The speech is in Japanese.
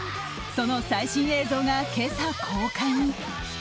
その最新映像が今朝、公開に。